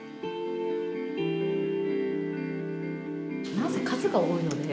何せ数が多いので。